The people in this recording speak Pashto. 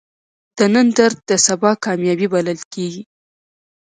د نن درد د سبا کامیابی بلل کېږي.